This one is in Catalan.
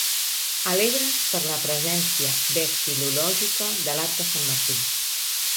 Alegres per la presència vexil·lològica de l'arc de sant Martí.